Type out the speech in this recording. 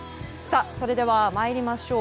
それでは、参りましょう。